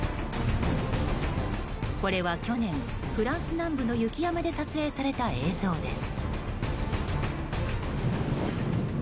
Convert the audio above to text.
これは去年フランス南部の雪山で撮影された映像です。